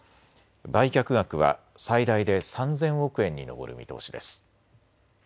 売却額は最大で３０００億円に上る見通しです。